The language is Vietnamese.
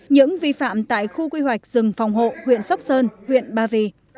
những vi phạm tại khu quy hoạch rừng phòng hộ huyện sóc sơn huyện ba vì